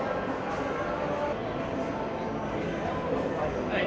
ขอบคุณทุกคนมากครับที่ทุกคนรัก